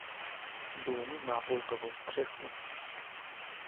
Dům má pultovou střechu.